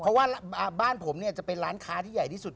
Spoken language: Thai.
เพราะว่าบ้านผมเนี่ยจะเป็นร้านค้าที่ใหญ่ที่สุด